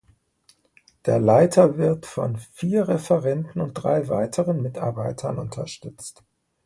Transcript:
Der Leiter wird von vier Referenten und drei weiteren Mitarbeitern unterstützt.